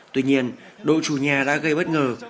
tuy nhiên đội chủ nhà đã gây bất ngờ